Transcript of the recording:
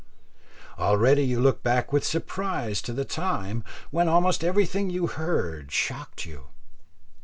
Already you look back with surprise to the time when almost everything you heard shocked you.